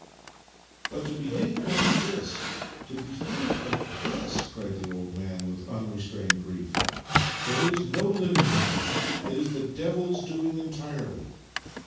But to behave like this, to behave like this! " cried the old man, with unrestrained grief. " There is no living with them. It is the Devil's doing entirely."